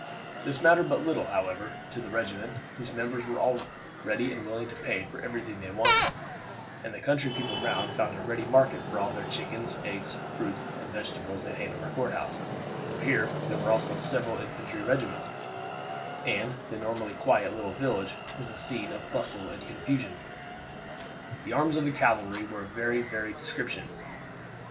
This mattered but little, however, to the regiment, whose members were all ready and willing to pay for everything they wanted, and the country people round found a ready market for all their chickens, eggs, fruit, and vegetables at Hanover Courthouse, for here there were also several infantry regiments, and the normally quiet little village was a scene of bustle and confusion. The arms of the cavalry were of a very varied description.